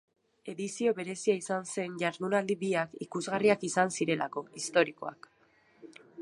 Edizio berezia izan zen jardunaldi biak ikusgarriak izan zirelako, historikoak.